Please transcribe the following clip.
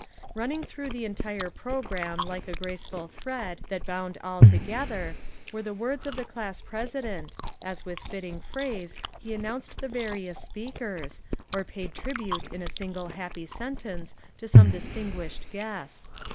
Running through the entire program like a graceful thread that bound all together were the words of the class president, as with fitting phrase he announced the various speakers, or paid trib ute in a single happy sentence to some distin guished guest.